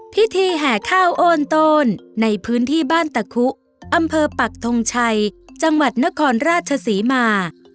แห่ข้าวโอนโตนในพื้นที่บ้านตะคุอำเภอปักทงชัยจังหวัดนครราชศรีมา